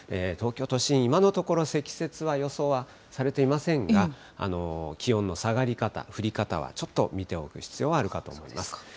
東京都心、今のところ、積雪は予想はされていませんが、気温の下がり方、降り方はちょっと見ておく必要はあるかと思います。